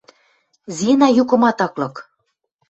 Зина юкымат ак лык.